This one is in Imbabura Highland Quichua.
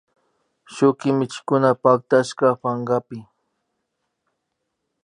Shuk kimichikuna pactashka pankapi